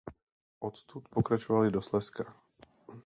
Odtud pokračovali do Slezska.